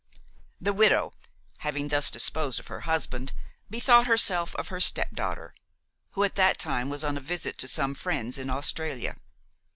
The widow, having thus disposed of her husband, bethought herself of her stepdaughter, who at that time was on a visit to some friends in Australia.